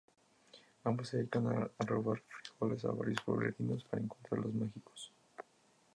Ambos se dedican a robar frijoles a varios pueblerinos para encontrar los mágicos.